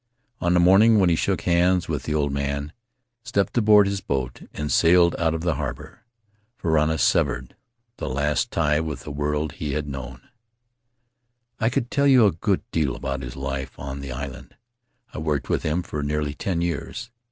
On the morning when he shook hands with His Mother's People the old man, stepped aboard his boat, and sailed out of the harbor, Varana severed the last tie with the world he had known. "I could tell you a good deal about his life on the island — I worked with him for nearly ten years.